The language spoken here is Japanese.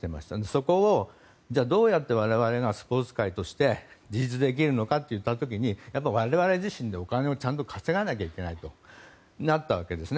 そこをどうやって我々がスポーツ界として自立できるのかといった時にやはり、我々自身でお金をちゃんと稼がないといけないとなったわけです。